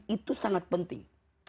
itu sangat penting